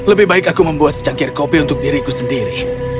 lebih baik aku membuat secangkir kopi untuk diriku sendiri